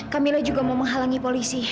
kamilah juga mau menghalangi polisi